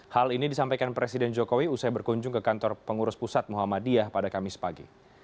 hal ini disampaikan presiden jokowi usai berkunjung ke kantor pengurus pusat muhammadiyah pada kamis pagi